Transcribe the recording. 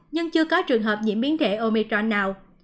nhưng chưa có trường hợp nhiễm biến thể omitr nào